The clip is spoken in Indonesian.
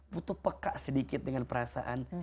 butuh peka sedikit dengan perasaan